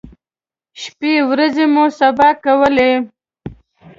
شپی ورځې مو سبا کولې.